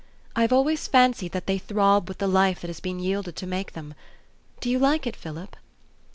" I have always fancied that they throb with the life that has been yielded to make them. Do you like it, Philip?"